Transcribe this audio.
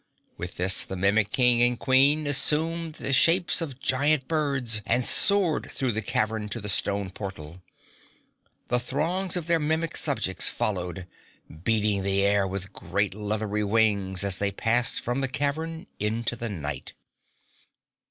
With this the Mimic King and Queen assumed the shapes of giant birds and soared through the cavern to the stone portal. The throngs of their Mimic subjects followed, beating the air with great, leathery wings as they passed from the cavern into the night.